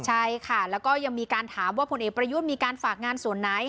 ใช่ค่ะแล้วก็ยังมีการถามว่าผลเอกประยุทธ์มีการฝากงานส่วนไหน